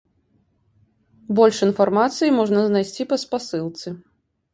Больш інфармацыі можна знайсці па спасылцы.